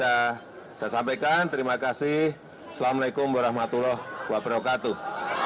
assalamu'alaikum warahmatullahi wabarakatuh